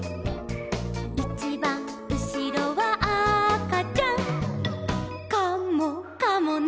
「いちばんうしろはあかちゃん」「カモかもね」